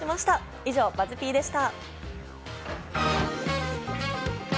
以上、ＢＵＺＺ−Ｐでした。